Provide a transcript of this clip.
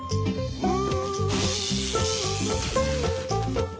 うん？